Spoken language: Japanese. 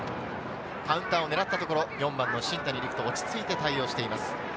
カウンターを狙ったところ、新谷陸斗、落ち着いて対応しています。